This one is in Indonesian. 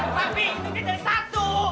tapi itu kita satu